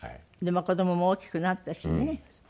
でもう子供も大きくなったしね。